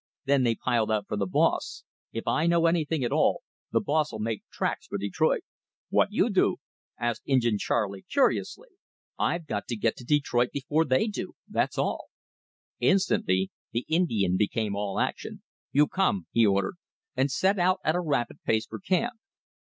Then they piled out for the boss. If I know anything at all, the boss'll make tracks for Detroit." "W'ot you do?" asked Injin Charley curiously. "I got to get to Detroit before they do; that's all." Instantly the Indian became all action. "You come," he ordered, and set out at a rapid pace for camp.